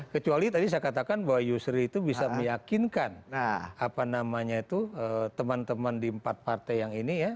kecuali tadi saya katakan bahwa yusri itu bisa meyakinkan teman teman di empat partai yang ini ya